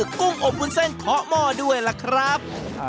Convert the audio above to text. กุ้งอบวุ้นเส้นเคาะหม้อด้วยล่ะครับ